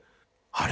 「あれ？